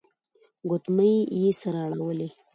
ګوتمۍ يې سره اړولې.